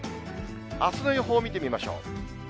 あすの予報を見てみましょう。